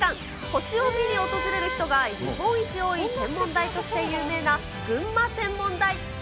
星を見に訪れる人が日本一多い天文台として有名な、ぐんま天文台。